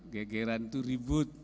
gegeran itu ribut